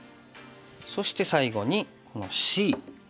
そして最後にこのＣ。